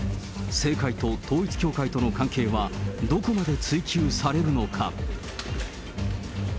政界と統一教会との関係はどこまで追及されるのか。